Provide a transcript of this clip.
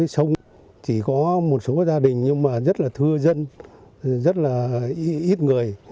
xong chỉ có một số gia đình nhưng mà rất là thưa dân rất là ít người